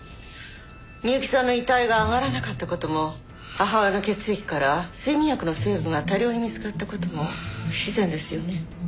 美雪さんの遺体が上がらなかった事も母親の血液から睡眠薬の成分が多量に見つかった事も不自然ですよね。